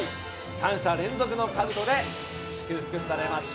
３者連続のかぶとで祝福されました。